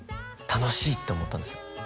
楽しいって思ったんですよ